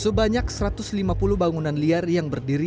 sebanyak satu ratus lima puluh bangunan liar yang dibangun di sini